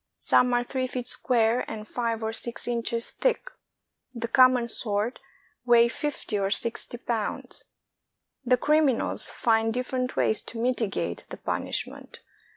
Some are three feet square and five or six inches thick; the common sort weigh fifty or sixty pounds. The criminals find different ways to mitigate the punishment.